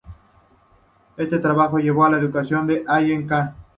Este trabajo llevo a la ecuación de Allen–Cahn.